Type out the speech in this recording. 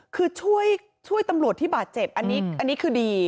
คือช่วยตำรวจที่บาดเจ็บอันนี้คือดี